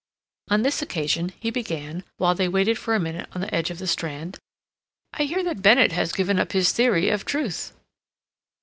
On this occasion he began, while they waited for a minute on the edge of the Strand: "I hear that Bennett has given up his theory of truth."